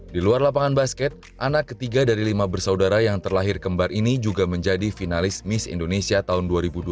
di luar lapangan basket anak ketiga dari lima bersaudara yang terlahir kembar ini juga menjadi finalis miss indonesia tahun dua ribu dua puluh